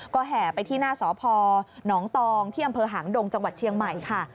ก็แห่ไปที่หน้าสพหนองตองที่อำเภอหางดงจังหวัดเชียงใหม่ค่ะ